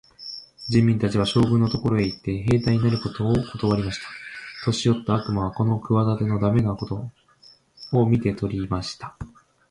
人民たちは、将軍のところへ行って、兵隊になることをことわりました。年よった悪魔はこの企ての駄目なことを見て取りました。